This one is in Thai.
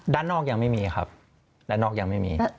ด้านนอกยังไม่มีครับด้านนอกยังไม่มี